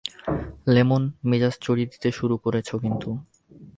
Lemon, মেজাজ চড়িয়ে দিতে শুরু করেছো কিন্তু।